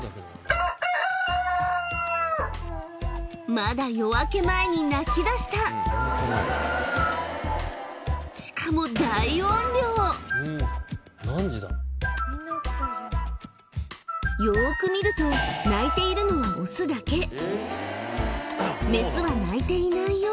まだ夜明け前に鳴きだしたしかもよく見るとメスは鳴いていないよう